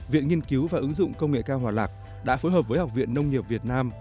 viện nghiên cứu và ứng dụng công nghệ cao hòa lạc đã phối hợp với học viện nông nghiệp việt nam